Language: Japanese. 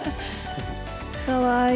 かわいい。